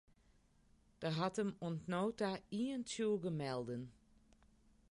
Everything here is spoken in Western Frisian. Der hat him oant no ta ien tsjûge melden.